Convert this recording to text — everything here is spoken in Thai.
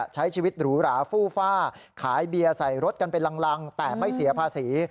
ใช้ชีวิตหรูหราฟูฟ่าขายเบียร์ใส่รถกันเป็นลังแต่ไม่เสียภาษี